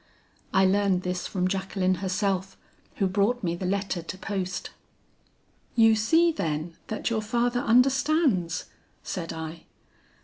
I learned this from Jacqueline herself who brought me the letter to post. "'You see then, that your father understands,' said I.